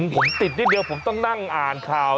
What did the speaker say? ผมติดนิดเดียวผมต้องนั่งอ่านข่าว